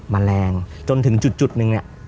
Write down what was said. แมลงจนถึงจุดนึงเนี่ย